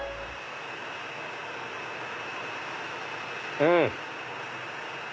うん！